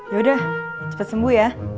yaudah cepet sembuh ya